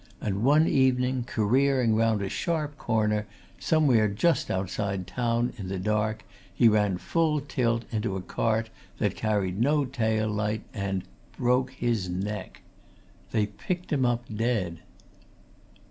And one evening, careering round a sharp corner, somewhere just outside the town, in the dark, he ran full tilt into a cart that carried no tail light, and broke his neck! They picked him up dead."